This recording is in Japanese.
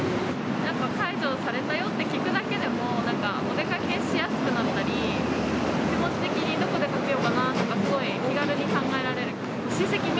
解除されたよって聞くだけでも、なんかお出かけしやすくなったり、気持ち的にどこ出かけようかなと、気軽に考えられる気が。